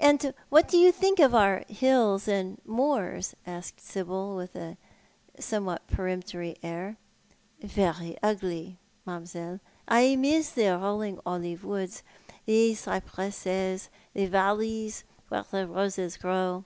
"And what do you think of our hills and moors?" asked Sibyl, with a somewhat peremptory air. "Very ugly, mam'selle. I miss the rolling olive woods, tho cypresses, the valleys where the roses grow.